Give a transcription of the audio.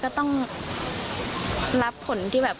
เพื่อนของไอซ์นะครับเกี่ยวด้วย